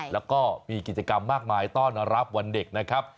แล้วก็มีกิจกรรมมากมายต้อนรับวันเด็กนะครับ